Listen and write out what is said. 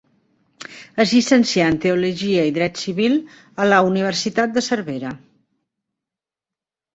Es llicencià en teologia i dret civil a la Universitat de Cervera.